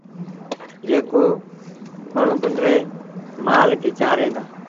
جيڪو مڻهون پنڊري مآل کي چآرين دآ